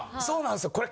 そうなんですよ。